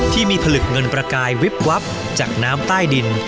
ที่มีผลึกเงินประกายวิบวับจากน้ำใต้ดิน